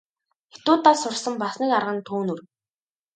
Хятадуудаас сурсан бас нэг арга нь төөнүүр.